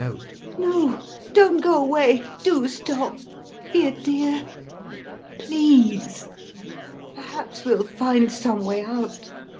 [Frightened] No, don't go away, do stop; be a dear. Please. Perhaps we'll find some way out!